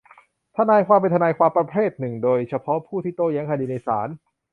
ทนายความเป็นทนายความประเภทหนึ่งโดยเฉพาะผู้ที่โต้แย้งคดีในศาล